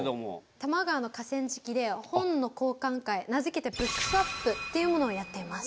多摩川の河川敷で本の交換会名付けてＢｏｏｋｓｗａｐっていうものをやっています。